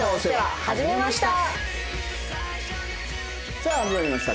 さあ始まりました